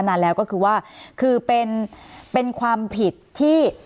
นานแล้วก็คือว่าคือเป็นความผิดที่